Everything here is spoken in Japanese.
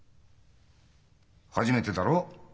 初めてだろ？